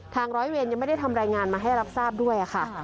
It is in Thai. ร้อยเวรยังไม่ได้ทำรายงานมาให้รับทราบด้วยค่ะ